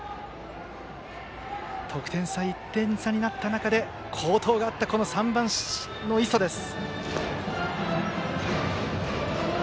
得点差、１点になった中で好投があった３番の磯です。